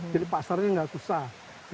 jadi pasarnya nggak susah